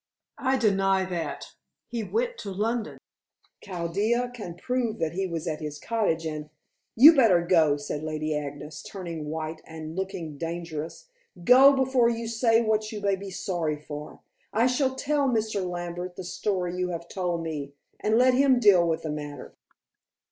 "I deny that; he went to London." "Chaldea can prove that he was at his cottage, and " "You had better go," said Lady Agnes, turning white and looking dangerous. "Go, before you say what you may be sorry for. I shall tell Mr. Lambert the story you have told me, and let him deal with the matter."